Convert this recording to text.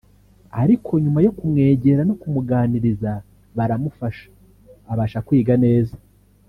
ariko nyuma yo kumwegera no kumuganiriza baramufasha abasha kwiga neza